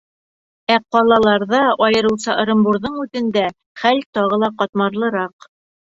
Ә ҡалаларҙа, айырыуса Ырымбурҙың үҙендә, хәл тағы ла ҡатмарлыраҡ.